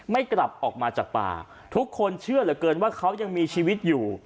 กลับออกมาจากป่าทุกคนเชื่อเหลือเกินว่าเขายังมีชีวิตอยู่